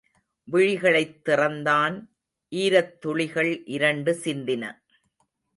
விழிகளைத் திறந்தான், ஈரத்துளிகள் இரண்டு சிந்தின.